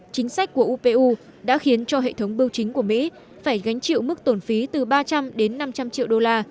chính sách của upu đã khiến cho hệ thống bưu chính của mỹ phải gánh chịu mức tổn phí từ ba trăm linh đến năm trăm linh triệu đô la